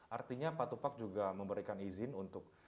artinya pak tupak juga memberikan izin untuk